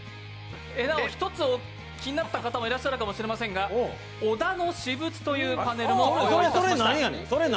１つ気になった方もいらっしゃるかもしれませんが小田の私物というパネルもご用意しました。